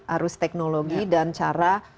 arus teknologi dan cara